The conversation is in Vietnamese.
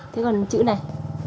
thế còn chữ này